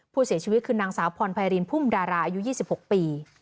ผู้เสียชีวิตคือนางสาวพรไพรินพุ่มดาราอายุ๒๖ปี